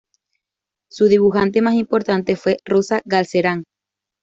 Su dibujante más importante fue Rosa Galcerán.